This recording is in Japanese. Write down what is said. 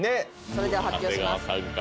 それでは発表します